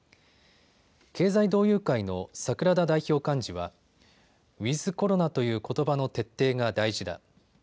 経済同友会の櫻田代表幹事はウィズコロナということばの徹底が大事だ。